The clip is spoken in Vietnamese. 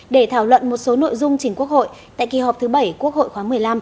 để thảo luận một số nội dung chính quốc hội tại kỳ họp thứ bảy quốc hội khóa một mươi năm